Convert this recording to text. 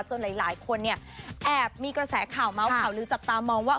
หลายคนเนี่ยแอบมีกระแสข่าวเมาส์ข่าวลือจับตามองว่า